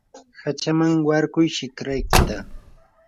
hachaman warkuy shikarkita.